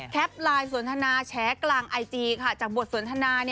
แท็บไลน์สวนธนาแชร์กลางไอจีจากบทสวนธนา